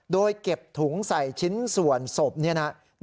โดยเก็บถุงใส่ชิ้นส่วนศพนี่นะครับ